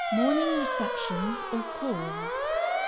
MORNING RECEPTIONS OR CALLS.